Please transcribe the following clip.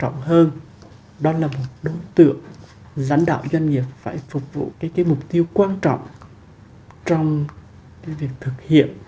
ngày đầu thành lập